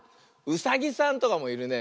ウサギさんとかもいるね。